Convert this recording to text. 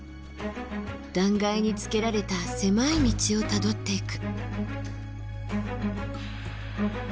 断崖につけられた狭い道をたどっていく。